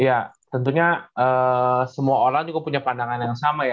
ya tentunya semua orang juga punya pandangan yang sama ya